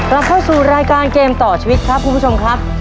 เราเข้าสู่รายการเกมต่อชีวิตครับคุณผู้ชมครับ